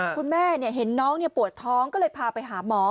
คุณแม่เห็นน้องปวดท้องก็เลยพาไปหาหมอ